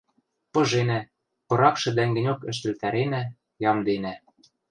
пыженӓ, пыракшы дӓнгӹньок ӹштӹлтӓренӓ, ямденӓ...